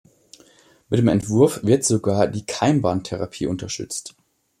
Mit dem Entwurf wird sogar die Keimbahn-Therapie unterstützt.